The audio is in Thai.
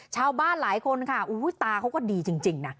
ชาวบ้านหลายคนค่ะตาเขาก็ดีจริงนะ